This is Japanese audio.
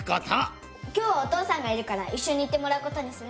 今日はお父さんがいるからいっしょに行ってもらう事にする。